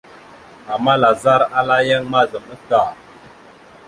Ama lazar ala yan mazam ɗaf da.